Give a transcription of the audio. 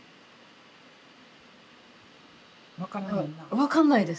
え分かんないです。